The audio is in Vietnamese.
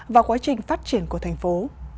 và quá trình phát triển của thành phố